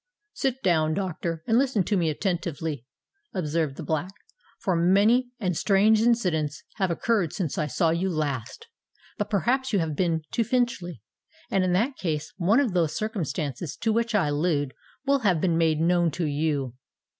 "Sit down, Doctor, and listen to me attentively," observed the Black; "for many and strange incidents have occurred since I saw you last. But perhaps you have been to Finchley; and in that case, one of those circumstances to which I allude will have been made known to you."